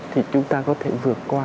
thì chúng ta có thể vượt qua